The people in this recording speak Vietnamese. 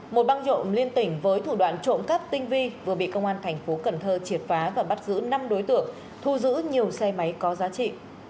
một băng trộm liên tỉnh với thủ đoạn trộm cắp tinh vi vừa bị công an thành phố cần thơ triệt phá và bắt giữ năm đối tượng thu giữ nhiều xe máy có giá trị